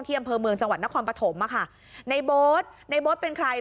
อำเภอเมืองจังหวัดนครปฐมอะค่ะในโบ๊ทในโบ๊ทเป็นใคร